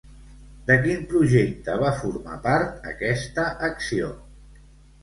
De quin projecte va formar part aquesta acció?